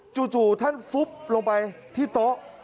จู่ท่านฟุบลงไปที่โต๊ะ